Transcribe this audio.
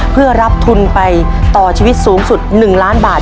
เพื่อรับทุนไปต่อชีวิตสูงสุด๑ล้านบาท